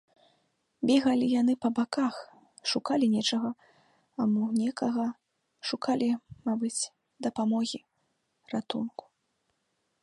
Бегалі яны па баках, шукалі нечага, а мо некага, шукалі, мабыць, дапамогі, ратунку.